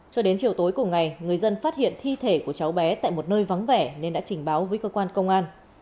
cho đến chiều tối cùng ngày người dân phát hiện thi thể của cháu bé tại một nơi vắng vẻ nên đã trình báo với cơ quan công an